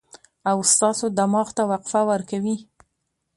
او ستاسو دماغ ته وقفه ورکوي